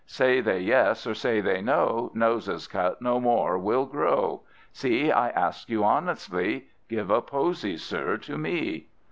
Say they yes, or say they no, Noses cut no more will grow. See, I ask you honestly: Give a posy, sir, to me!"